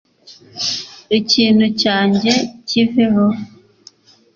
ikintu cyanjye kiveho?